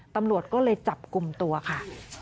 ตำรวจก็เลยจับกลุ่มตัวค่ะ